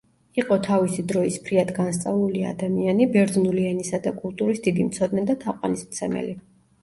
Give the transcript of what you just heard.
იყო თავისი დროის ფრიად განსწავლული ადამიანი, ბერძნული ენისა და კულტურის დიდი მცოდნე და თაყვანისმცემელი.